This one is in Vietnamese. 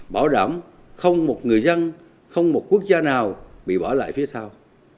bảo đảm không một người dân không một quốc gia nào bị bỏ lại phía sau